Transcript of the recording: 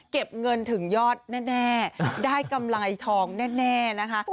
เก็บเงินถึงยอดแน่ได้กำไรทองแน่นะคะ